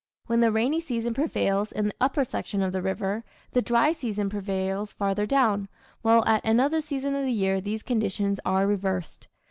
When the rainy season prevails in the upper section of the river the dry season prevails farther down, while at another season of the year these conditions are reversed.